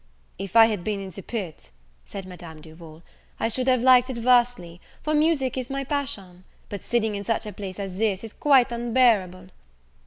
"If I had been in the pit," said Madame Duval, "I should have liked it vastly, for music is my passion; but sitting in such a place as this, is quite unbearable."